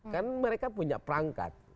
kan mereka punya perangkat